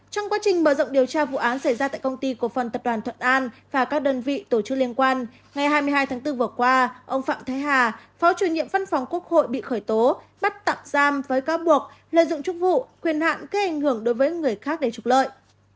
trong quá trình mở rộng điều tra vụ án xảy ra tại công ty cổ phần tập đoàn thuận an và các đơn vị tổ chức liên quan ngày hai mươi hai tháng bốn vừa qua ông phạm thái hà phó chủ nhiệm văn phòng quốc hội bị khởi tố bắt tạm giam với cáo buộc lợi dụng chức vụ quyền hạn gây ảnh hưởng đối với người khác để trục lợi